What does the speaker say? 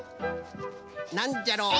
なんじゃろう？